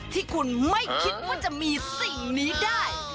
ที่คุณไม่คิดว่าจะมีสิ่งนี้ได้